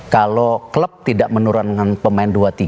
kalau klub tidak menurunkan pemain dua tiga